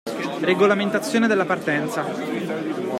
Regolamentazione della partenza.